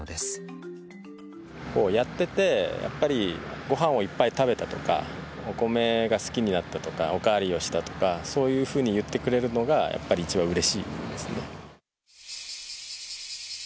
こうやっててやっぱりご飯をいっぱい食べたとかお米が好きになったとかおかわりをしたとかそういうふうに言ってくれるのがやっぱり一番うれしいですね。